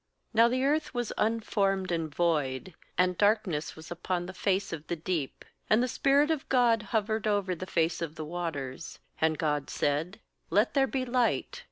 2Novv the earth was unformed and void, and darkness was upon the face of the deep; and the spirit of God hovered over the face of the waters. 3And God said: 'Let there be light.'